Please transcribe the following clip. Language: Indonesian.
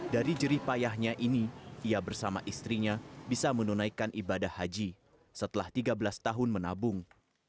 dari jerih payahnya ini ia bersama istrinya bisa menunaikan ibadah haji setelah tiga belas tahun menabung